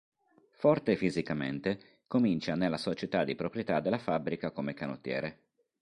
Forte fisicamente comincia nella società di proprietà della fabbrica come canottiere.